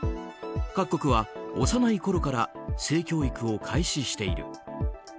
各国は幼いころから性教育を開始している。